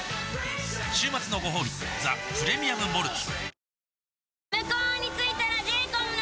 週末のごほうび「ザ・プレミアム・モルツ」